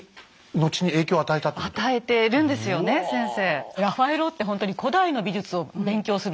与えてるんですよね先生。